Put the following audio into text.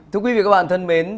thưa quý vị các bạn thân mến